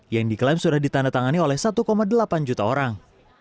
yang diklaim sudah ditandatangani oleh satu delapan juta orang